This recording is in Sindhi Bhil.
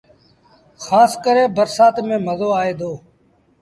کآس برسآت ميݩ مزو آئي دو۔